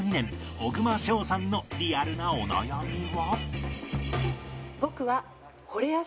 小熊翔さんのリアルなお悩みは？